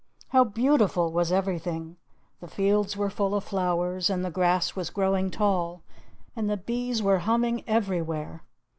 How beautiful was everything! The fields were full of flowers, and the grass was growing tall, and the bees were humming everywhere.